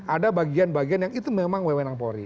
ada bagian bagian yang itu memang wewenang polri